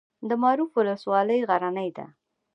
د معروف ولسوالۍ غرنۍ ده